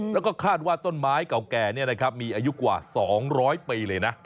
แล้วก็คาดว่าต้นไม้เก่าแก่เนี่ยนะครับมีอายุกว่าสองร้อยปีเลยนะ